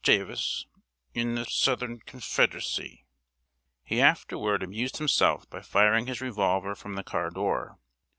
Davis nth'southrncnfdrcy!" He afterward amused himself by firing his revolver from the car door.